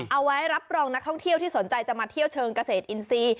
เอาไว้รับรองนักท่องเที่ยวที่สนใจจะมาเที่ยวเชิงเกษตรอินทรีย์